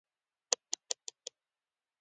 د زر دوه سوه شپږ اتیا کال مبارزات پیلامه ګڼل کېده.